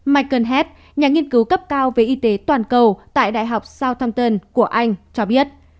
michael hez nhà nghiên cứu cấp cao về y tế toàn cầu tại đại học sountunton của anh cho biết